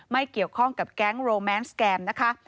ไม่เกี่ยวข้องกับแก๊งโรแมนสแกมนะคะ